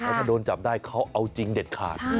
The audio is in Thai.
ถ้าโดนจับได้เขาเอาจริงเด็ดขาด